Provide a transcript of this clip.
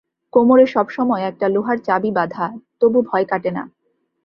কোমরে সবসময় একটা লোহার চাবি বাঁধা, তবু ভয় কাটে না।